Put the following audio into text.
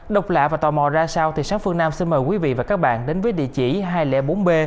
độc lạ và tò mò ra sao thì sáng phương nam xin mời quý vị và các bạn đến với địa chỉ hai trăm linh bốn b